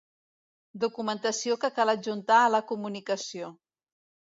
Documentació que cal adjuntar a la comunicació.